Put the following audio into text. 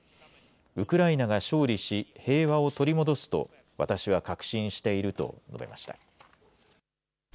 ウクライナが勝利し、平和を取り戻すと私は確信していると述べました。